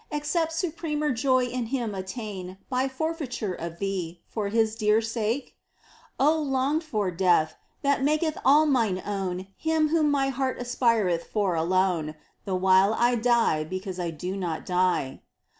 Except supremer joy in Him attain By forfeiture of thee for His dear sake ? longed for Death, that maketh all mine own Him Whom my heart aspireth for alone, The while I die because I do not die